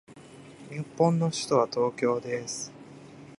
日本の首都は東京です。